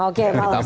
oke malam saja